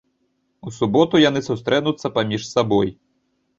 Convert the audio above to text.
У суботу яны сустрэнуцца паміж сабой.